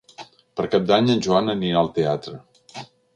Per Cap d'Any en Joan anirà al teatre.